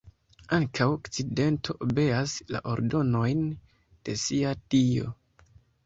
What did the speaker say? Ankaŭ okcidento obeas la ordonojn de sia dio.